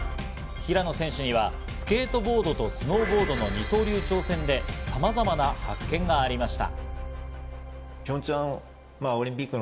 平野選手にはスケートボードとスノーボードの二刀流の挑戦でさまざまな発見がありました。